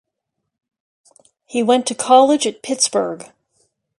He went to college at Pittsburgh.